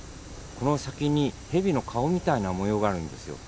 この先にヘビの顔みたいな模様があるんですよ。